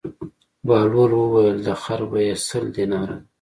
بهلول وویل: د خر بېه سل دیناره ده.